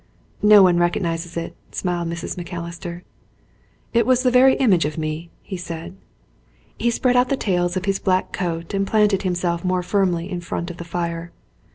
"No one recognises it," smiled Mrs. Macalister. "It was the very image of me," he said. He spread out the tails of his black coat and planted himself more firmly in front of the fire.